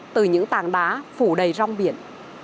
từ những tàng đá phủ đầy rong biển